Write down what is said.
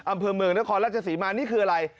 อำเภอเมืองนครราชศรีมานี่คืออะไร